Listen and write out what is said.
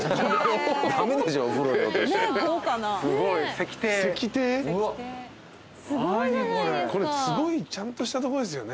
すごいちゃんとしたとこですよね。